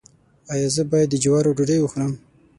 ایا زه باید د جوارو ډوډۍ وخورم؟